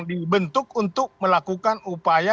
dibentuk untuk melakukan upaya